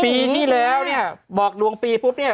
ปีที่แล้วเนี่ยบอกดวงปีปุ๊บเนี่ย